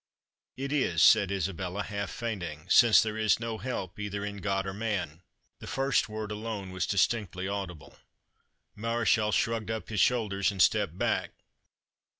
"It is," said Isabella, half fainting "since there is no help, either in God or man." The first word alone was distinctly audible. Mareschal shrugged up his shoulders and stepped back.